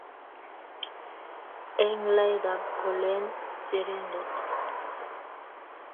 Eng laindap kolen sirindet,